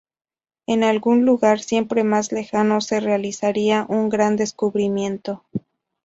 En algún lugar, siempre más lejano, se realizaría un gran descubrimiento.